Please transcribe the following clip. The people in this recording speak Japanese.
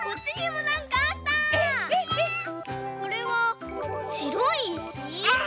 これはしろいいし？